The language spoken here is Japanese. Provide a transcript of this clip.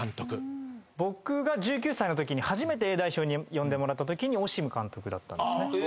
僕が１９歳のときに初めてＡ代表に呼んでもらったときにオシム監督だったんですね。